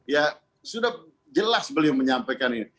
ya sudah jelas beliau menyampaikan ini